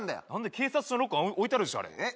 警察署のロッカー置いてあるでしょあれえっ？